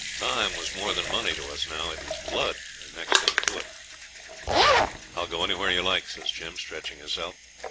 Time was more than money to us now it was blood, or next thing to it. 'I'll go anywhere you like,' says Jim, stretching himself.